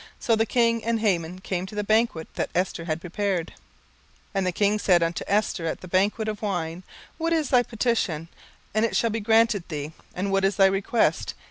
So the king and Haman came to the banquet that Esther had prepared. 17:005:006 And the king said unto Esther at the banquet of wine, What is thy petition? and it shall be granted thee: and what is thy request?